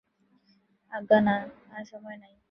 আজ্ঞা না, আর সময় নাই।